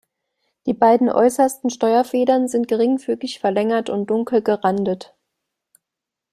Die beiden äußersten Steuerfedern sind geringfügig verlängert und dunkel gerandet.